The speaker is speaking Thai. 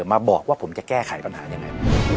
มาบอกว่าผมจะแก้ไขปัญหายังไง